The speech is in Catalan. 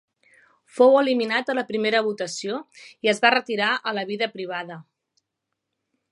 Fou eliminat a la primera votació i es va retirar a la vida privada.